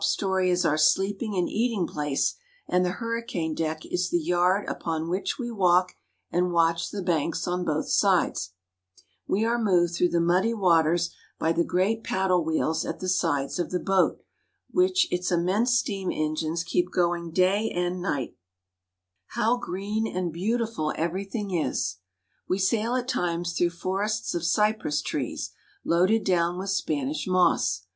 story is our sleeping and eating place; and the hurricane deck is the yard upon which we walk and watch the banks on both sides. We are moved through the muddy waters 11 lltMBfiMPM ^^^^'•'^''^^/"•■'^"^'■• ii^,': l ^^ ^Z^ ;.J^ _^^^_^_ jmmk M ^^^^:^ A Cypress Swamp. by the great paddle wheels at the sides of the boat, which its immense steam engines keep going day and night. How green and beautiful everything is! We sail at times through forests of cypress trees, loaded down with Spanish moss.